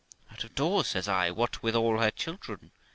'Out of doors!' says I; 'what: with all her children